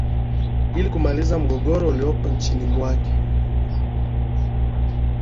ili kumaliza mgogoro uliopo nchini mwake